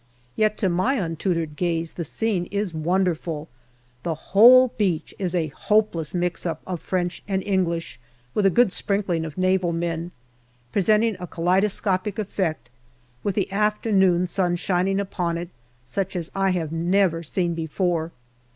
Yet to my untutored gaze the scene is wonderful. The whole beach is a hopeless mix up of French and English, with a good sprinkling of Naval men presenting a kaleido scopic effect, with the afternoon sun shining upon it, such as I have never seen before.